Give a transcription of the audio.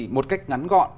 một cách ngắn gọn